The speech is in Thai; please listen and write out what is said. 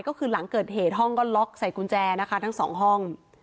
ก็คือหลังเกิดเหตุห้องก็ล็อกใส่กุญแจนะคะทั้งสองห้อง